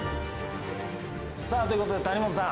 さあということで谷本さん。